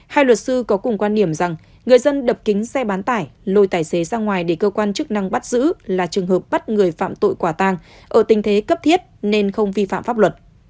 hai luật sư có cùng quan điểm rằng người dân đập kính xe bán tải lôi tài xế ra ngoài để cơ quan chức năng bắt giữ là trường hợp bắt người phạm tội quả tang ở tình thế cấp thiết nên không vi phạm pháp luật